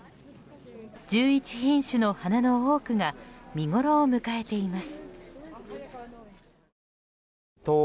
１１品種の花の多くが見ごろを迎えています。